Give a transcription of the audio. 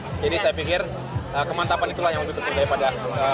jadi saya pikir kemantapan itulah yang lebih penting daripada